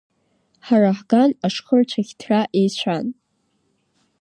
Ҳара ҳган ашхырцәаӷь ҭра еицәан.